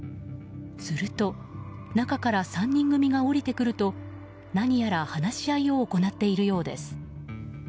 すると、中から３人組が降りてくると何やら話し合いを行っているようです。